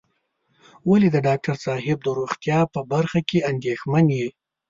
ولې د ډاکټر صاحب د روغتيا په برخه کې اندېښمن یې.